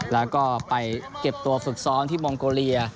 แล้วก็ไปเก็บตัวฝึกซ้อมที่มองโกเลีย